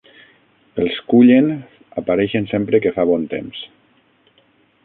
Els Cullen apareixen sempre que fa bon temps.